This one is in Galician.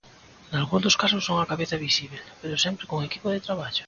Nalgún dos casos son a cabeza visíbel, pero sempre cun equipo de traballo.